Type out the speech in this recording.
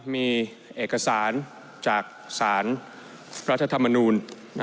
มีเอกสารจากสารรัฐธรรมนูล